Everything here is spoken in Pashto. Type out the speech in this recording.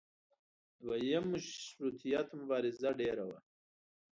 دویم مشروطیت مبارزه ډېره وه.